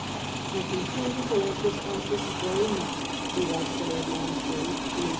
I continue to like this oflBce very much [he writes to Lord Malmes bury in 1809].